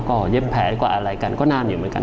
ก็เย็บแผลกว่าอะไรกันก็นานอยู่เหมือนกัน